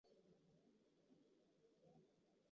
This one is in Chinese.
中东航空在贝鲁特机场设有公司总部和培训中心。